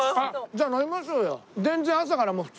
じゃあ飲みましょうよ！